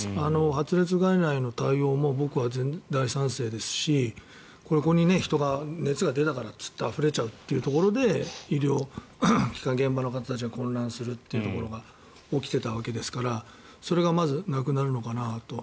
発熱外来の対応も僕は大賛成ですしここに人が熱が出たからといってあふれちゃうというところで医療機関、現場の方が混乱してしまうということが起きていたわけですからそれがまずなくなるのかなと。